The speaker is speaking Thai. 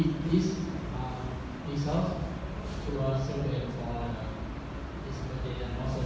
คุณคิดว่าเกินเท่าไหร่หรือไม่เกินเท่าไหร่